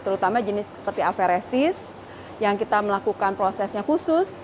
terutama jenis seperti averesis yang kita melakukan prosesnya khusus